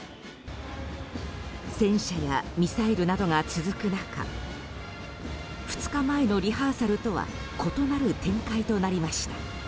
戦車やミサイルなどが続く中２日前のリハーサルとは異なる展開となりました。